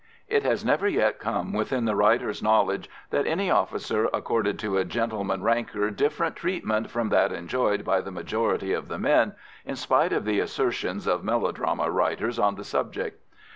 It has never yet come within the writer's knowledge that any officer accorded to a gentleman ranker different treatment from that enjoyed by the majority of the men, in spite of the assertions of melodrama writers on the subject.